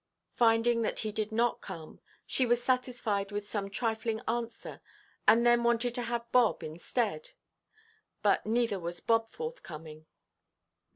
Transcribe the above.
Finding that he did not come, she was satisfied with some trifling answer, and then wanted to have Bob instead; but neither was Bob forthcoming.